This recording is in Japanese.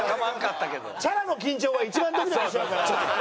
チャラの緊張は一番ドキドキしちゃうから。